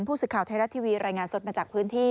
ผู้สื่อข่าวไทยรัฐทีวีรายงานสดมาจากพื้นที่